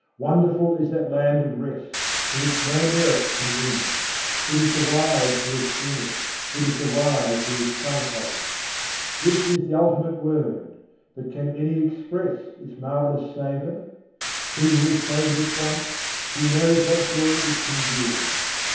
Wonderful is that land of rest, to which no merit can win; It is the wise who has seen it, it is the wise who has sung of it. This is the Ultimate Word: but can any express its marvellous savour? He who has savoured it once, he knows what joy it can give.